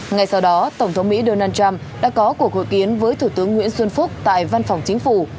ngay sau đó tổng thống mỹ donald trump đã có cuộc hội kiến với thủ tướng nguyễn xuân phúc tại văn phòng chính phủ